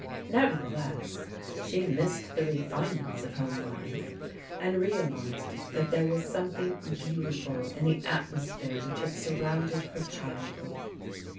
Neverthe less, she missed the refinements of home life, and real ized that there was something beautiful in the atmos phere which had surrounded her childhood.